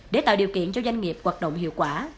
để tạo điều kiện cho doanh nghiệp hoạt động hiệu quả